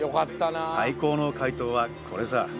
最高の回答はこれさ。